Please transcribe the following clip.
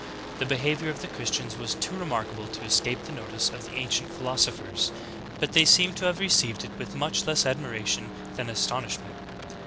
The behavior of the Christians was too remark able to escape the notice of the ancient philosophers ; but they seem to have received it with much less admiration than as tonishment.